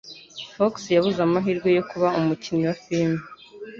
Fox yabuze amahirwe yo kuba umukinnyi wa firime.